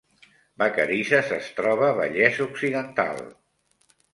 Vacarisses es troba Vallès Occidental